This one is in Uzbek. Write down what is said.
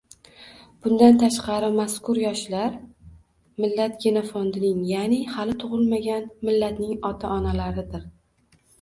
Bundan tashqari, mazkur yoshlar millat genofondining, ya’ni hali tug‘ilmagan millatning ota-onalaridir.